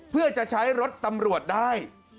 เพื่อจะใช้รถตำรวจได้